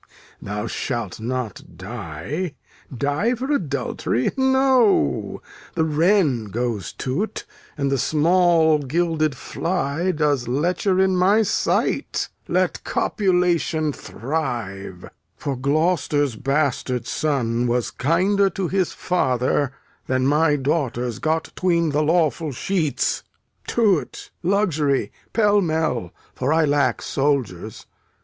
Thou shalt not die. Die for adultery? No. The wren goes to't, and the small gilded fly Does lecher in my sight. Let copulation thrive; for Gloucester's bastard son Was kinder to his father than my daughters Got 'tween the lawful sheets. To't, luxury, pell mell! for I lack soldiers.